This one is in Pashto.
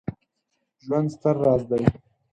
ژوند ستر راز دی